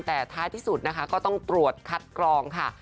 แต่ท้ายที่สุดนะคะก็ต้องตรวจคัดกรองค่ะ